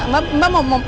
mbak mbak mau mau